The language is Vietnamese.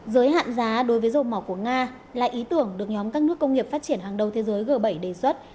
giới hạn giá đối với dầu mỏ của nga là ý tưởng được nhóm các nước công nghiệp phát triển hàng đầu thế giới g bảy đề xuất